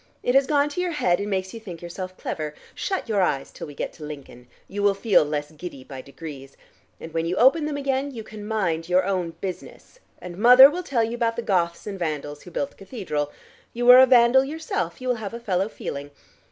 It has gone to your head, and makes you think yourself clever. Shut your eyes till we get to Lincoln. You will feel less giddy by degrees. And when you open them again, you can mind your own business, and mother will tell you about the Goths and Vandals who built the cathedral. You are a Vandal yourself: you will have a fellow feeling.